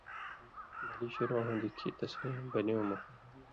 بلی شُروع ہُوندیۡ کھیں تَسیں بلیُوں مہ